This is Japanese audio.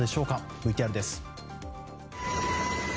ＶＴＲです。